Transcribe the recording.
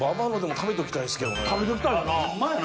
食べときたいよな。